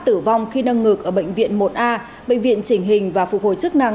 tử vong khi nâng ngược ở bệnh viện một a bệnh viện trình hình và phục hồi chức năng